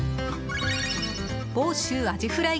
房州アジフライ